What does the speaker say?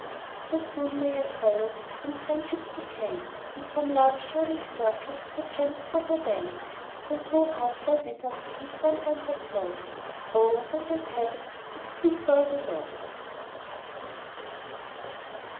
So soon may I follow, When friendships decay, And from Love's shining circle The gems drop away. When true hearts lie wither'd, And fond ones are flown, Oh ! who would inhabit This bleak world alone